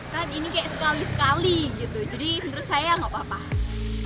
kan ini kayak sekali sekali gitu jadi menurut saya nggak apa apa